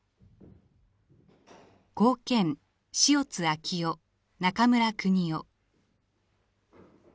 後見塩津哲生中村邦生。